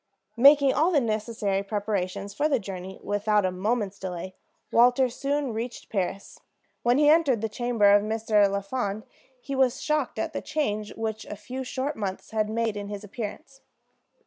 Making all the necessary preparations for the journey without a moment's delay, Walter soon reached Paris. When he entered the chamber of Mr. Lafond he was shocked at the change which a few short months had made in his appearance.